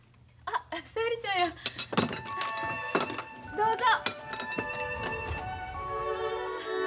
どうぞ。